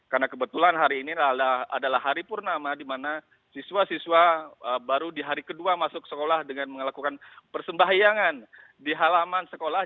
karena kebetulan hari ini adalah hari purnama dimana siswa siswa baru di hari kedua masuk sekolah dengan melakukan persembahyangan di halaman sekolah